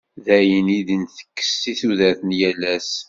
D ayen i d-ntekkes seg tudert n yal ass.